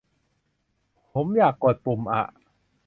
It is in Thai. ผมอยากกดปุ่มอ่ะ